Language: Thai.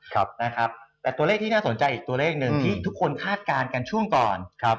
ครับนะครับแต่ตัวเลขที่น่าสนใจอีกตัวเลขหนึ่งที่ทุกคนคาดการณ์กันช่วงก่อนครับ